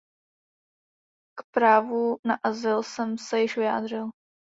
K právu na azyl jsem se již vyjádřil.